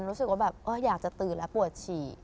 รู้สึกว่าแบบอยากจะตื่นแล้วปวดฉีก